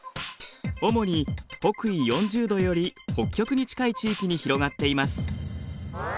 主に北緯４０度より北極に近い地域に広がっています。